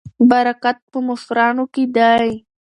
برکت په مشرانو کې دی.